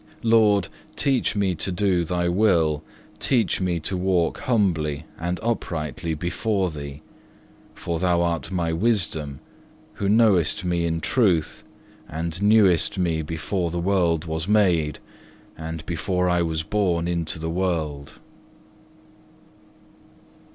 Lord, teach me to do Thy will, teach me to walk humbly and uprightly before Thee, for Thou art my wisdom, who knowest me in truth, and knewest me before the world was made and before I was born into the world.